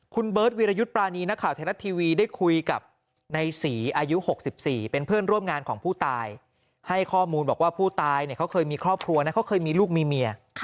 คุณเบิร์ตวิรยุทธ์ปรานีนักข่าวไทยรัฐทีวีได้คุยกับในศรีอายุ๖๔เป็นเพื่อนร่วมงานของผู้ตายให้ข้อมูลบอกว่าผู้ตายเนี่ยเขาเคยมีครอบครัวนะเขาเคยมีลูกมีเมีย